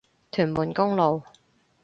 屯門公路